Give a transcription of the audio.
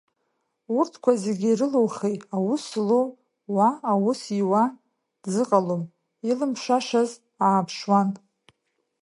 Урҭқәа езгьы ирылоухи, аус злоу уа аус иуа дзыҟалом, илымшашаз ааԥшуан.